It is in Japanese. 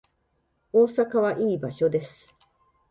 大阪はいい場所です